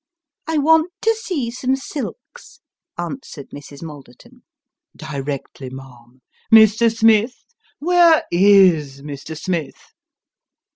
" I want to see some silks," answered Mrs. Malderton. " Directly, ma'am. Mr. Smith ! Where is Mr. Smith